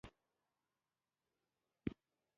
بهرنى موجود نه دى